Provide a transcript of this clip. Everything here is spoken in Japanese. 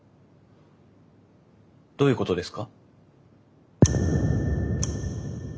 どういうことですか？